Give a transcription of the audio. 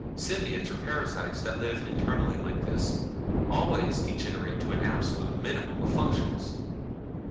Symbiotes or parasites that live internally like this always degenerate to an absolute minimum of functions."